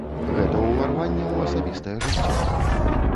Гэта ўварванне ў асабістае жыццё.